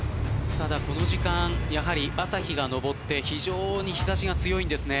ただこの時間やはり朝日が昇って非常に日差しが強いんですね。